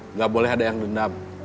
nggak boleh ada yang dendam